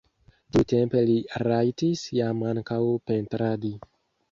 Tiutempe li rajtis jam ankaŭ pentradi.